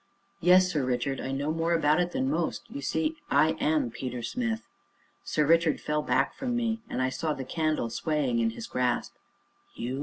"Yes, Sir Richard, I know more about it than most. You see, I am Peter Smith." Sir Richard fell back from me, and I saw the candle swaying in his grasp. "You?"